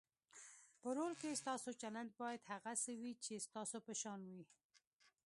په رول کې ستاسو چلند باید هغه څه وي چې ستاسو په شان وي.